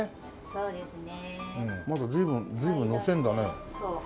そうですね。